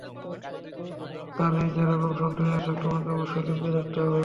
তোমার কানে যেরকম শব্দই আসুক, তোমাকে অবশ্যই লুকিয়ে থাকতে হবে।